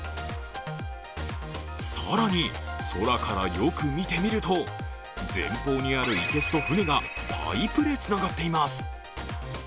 更に、空からよく見てみると前方にある生けすと船がパイプでつながっています。